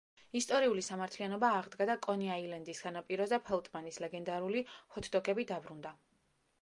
ისტორიული სამართლიანობა აღდგა და კონი აილენდის სანაპიროზე, ფელტმანის ლეგენდალური ჰოთ დოგები დაბრუნდა.